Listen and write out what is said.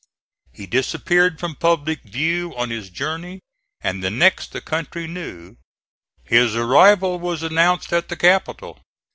He disappeared from public view on his journey, and the next the country knew, his arrival was announced at the capital.